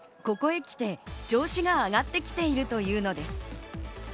ここへきて調子が上がってきているというのです。